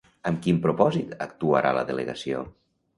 Amb quin propòsit actuarà la delegació?